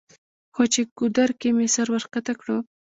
خو چې ګودر کښې مې سر ورښکته کړو